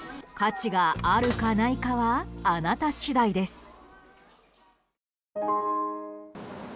価値があるかないかはあなた次第です。